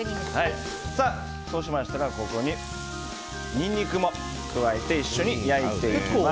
そうしましたら、ここにニンニクを加えて焼いていきます。